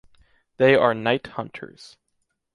They are night hunters.